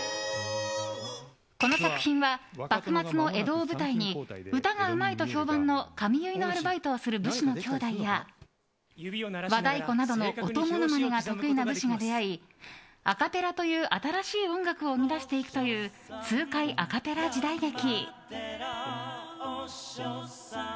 この作品は、幕末の江戸を舞台に歌がうまいと評判の髪結いのアルバイトをする武士の兄弟や、和太鼓などの音ものまねが得意な武士が出会いアカペラという新しい音楽を生み出していくという痛快アカペラ時代劇。